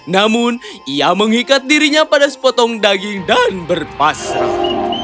namun ia mengikat dirinya pada sepotong daging dan berpasrah